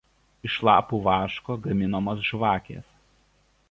Iš lapų vaško gaminamos žvakės.